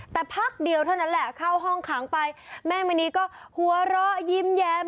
แต่พักเดียวเท่านั้นแหละเข้าห้องขังไปแม่มณีก็หัวเราะยิ้มแย้ม